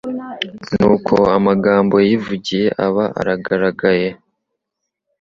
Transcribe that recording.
Nuko amagambo yivugiye aba aragaragaye,